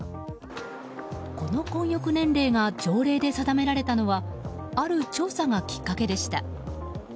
この混浴年齢が条例で定められたのはある調査がきっかけでした。